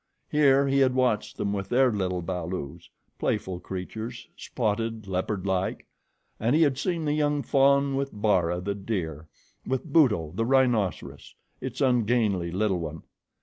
Here he had watched them with their little balus playful creatures, spotted leopard like. And he had seen the young fawn with Bara, the deer, and with Buto, the rhinoceros, its ungainly little one.